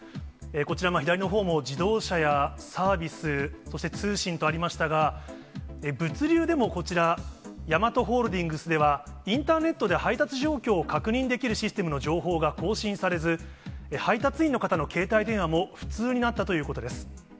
こちら、左のほうも自動車やサービス、そして通信とありましたが、物流でもこちら、ヤマトホールディングスでは、インターネットで配達状況を確認できるシステムの情報が更新されず、配達員の方の携帯電話も不通になったということです。